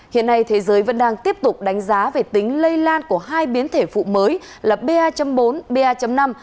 hiện nay thế giới vẫn đang tiếp tục đánh giá về tính lây lan của hai biến thể phụ mới là ba bốn ba năm